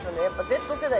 Ｚ世代